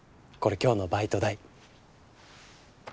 これ今日のバイト代。